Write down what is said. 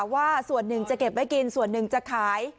ว่าส่วนหนึ่งจะเก็บไว้กินส่วนหนึ่งจะขาย